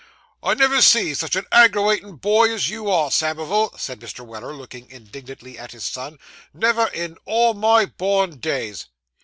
'I never see sich a aggrawatin' boy as you are, Samivel,' said Mr. Weller, looking indignantly at his son; 'never in all my born days.